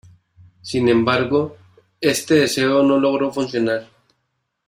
Sin embargo, este deseo no logró funcionar.